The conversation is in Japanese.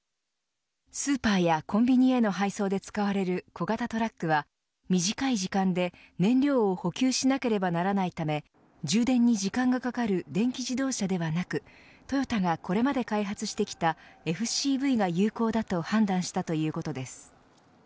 スーパーやコンビニへの配送で使われる小型トラックは短い時間で燃料を補給しなければならないため充電に時間がかかる電気自動車ではなくトヨタがこれまで開発してきたＦＣＶが有効だと判断したということです。